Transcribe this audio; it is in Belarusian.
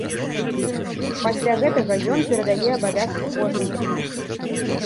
Пасля гэтага ён перадае абавязкі кожнаму з іх.